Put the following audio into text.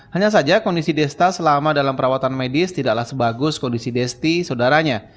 hanya saja kondisi desta selama dalam perawatan medis tidaklah sebagus kondisi desti saudaranya